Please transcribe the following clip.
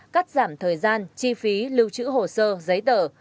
cắt giảm thời gian chi phí lưu trữ hồ sơ giấy tờ